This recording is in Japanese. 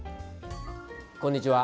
こんにちは。